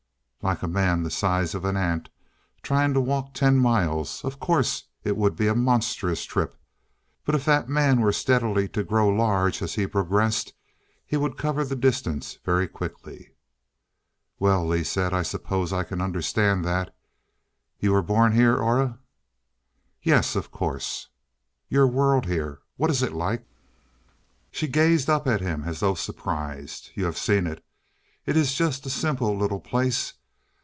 Like a man the size of an ant, trying to walk ten miles. Of course, it would be a monstrous trip. But if that man were steadily to grow larger, as he progressed he would cover the distance very quickly. "Well," Lee said, "I suppose I can understand that. You were born here, Aura?" "Yes. Of course." "Your world here what is it like?" She gazed up at him as though surprised. "You have seen it. It is just a simple little place.